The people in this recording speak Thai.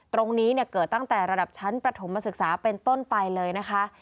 ตรงนี้เกิดตั้งแต่ระดับชั้นประถมศึกษาเป็นต้นไปเลยนะคะ